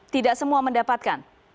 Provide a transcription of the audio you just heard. tidak semua mendapatkan